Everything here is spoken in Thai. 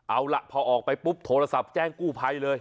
เอาล่ะพอออกไปปุ๊บโทรศัพท์แจ้งกู้ภัยเลย